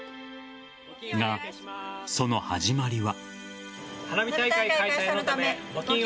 が、その始まりは。